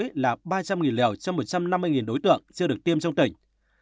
tỉnh đồng tháp đổ hai mũi là ba trăm linh liều cho một trăm năm mươi đối tượng chưa được tiêm trong tỉnh